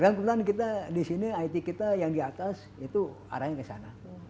dan kebetulan di sini it kita yang di atas itu arahnya ke sana